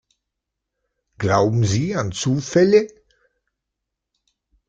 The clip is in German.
Glauben Sie an Zufälle?